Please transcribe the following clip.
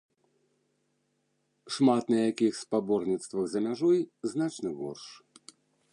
Шмат на якіх спаборніцтвах за мяжой значна горш.